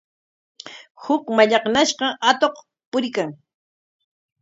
Huk mallaqnashqa atuq puriykan.